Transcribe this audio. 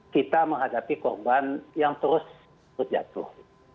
kita menghadapi korban yang terus terjatuh